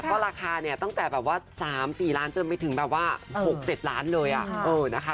ก็ราคาเนี่ยตั้งแต่แบบว่า๓๔ล้านจนไปถึงแบบว่า๖๗ล้านเลยนะคะ